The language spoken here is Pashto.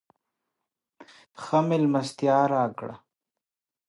ښه مېلمستیا راکړه.